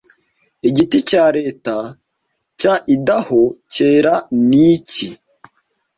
Igiti cya leta cya Idaho cyera ni iki